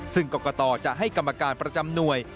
ซึ่งกรกตจะให้กรรมการประจำหน่วย